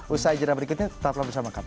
usaha jenah berikutnya tetaplah bersama kami